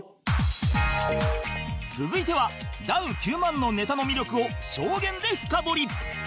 続いてはダウ９００００のネタの魅力を証言で深掘り